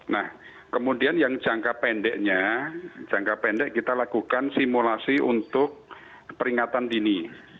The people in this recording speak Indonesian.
nah kemudian yang jangka pendeknya jangka pendek kita lakukan simulasi untuk peringatan dini